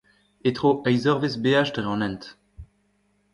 E-tro eizh eurvezh beaj dre an hent.